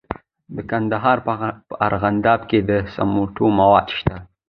د کندهار په ارغنداب کې د سمنټو مواد شته.